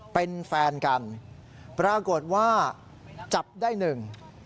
เป็นแฟนกันปรากฏว่าจับได้หนึ่ง